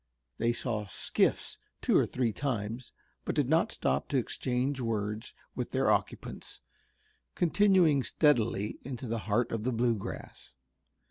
They saw skiffs two or three times, but did not stop to exchange words with their occupants, continuing steadily into the heart of the Bluegrass.